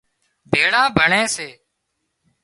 ڀيۯان ڀۯي سي